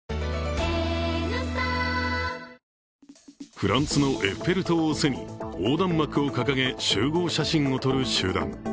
フランスのエッフェル塔を背に横断幕を掲げ集合写真を撮る集団。